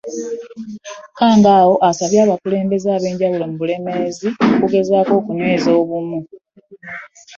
Kkangaawo asabye abakulembeze ab'enjawulo mu Bulemeezi okugezaako okunyweza obumu.